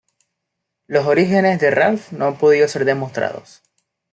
Los orígenes de Ralph no han podido ser demostrados.